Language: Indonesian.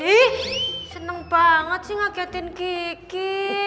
ih seneng banget sih ngagetin kiki